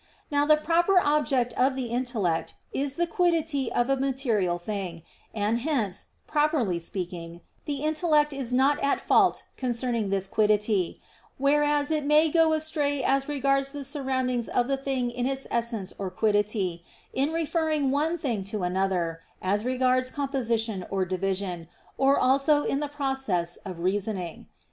Now the proper object of the intellect is the "quiddity" of a material thing; and hence, properly speaking, the intellect is not at fault concerning this quiddity; whereas it may go astray as regards the surroundings of the thing in its essence or quiddity, in referring one thing to another, as regards composition or division, or also in the process of reasoning.